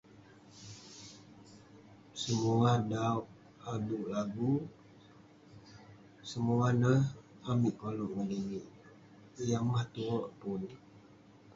Semua dauk ayuk lagu semua neh amik koluek ngeninek yah mah tuek pun